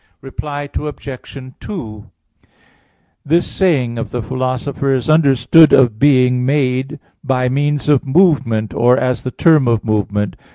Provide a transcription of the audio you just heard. Reply Obj. 2: This saying of the Philosopher is understood "of being made" by means of movement, or as the term of movement.